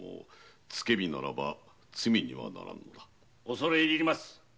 恐れ入ります。